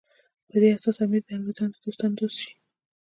په دې اساس امیر د انګریزانو د دوستانو دوست شي.